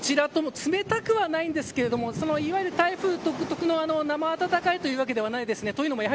冷たくはないのですがいわゆる台風独特の生温かい風というわけではないです。